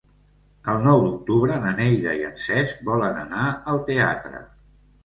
El nou d'octubre na Neida i en Cesc volen anar al teatre.